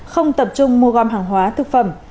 không tập trung mua gom hàng hóa thực phẩm